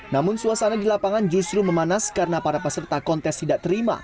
namun suasana di lapangan justru memanas karena para peserta kontes tidak terima